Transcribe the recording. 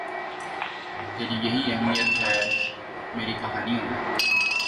تری یہی اہمیت ہے میری کہانیوں میں